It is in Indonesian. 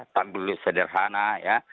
tampil sederhana ya